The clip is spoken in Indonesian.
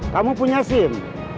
kamu punya sim